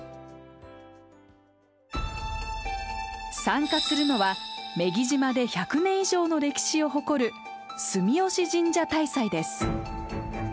参加するのは女木島で１００年以上の歴史を誇る住吉神社大祭です。